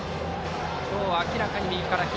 今日は明らかに右から左。